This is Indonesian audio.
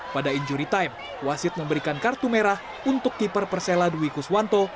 pada injury time wasit memberikan kartu merah untuk keeper persela dwi kuswanto